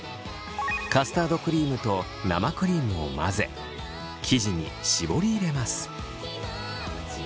カスタードクリームと生クリームを混ぜ生地に絞り入れます。